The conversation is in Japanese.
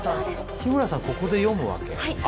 日村さん、ここて読むわけ？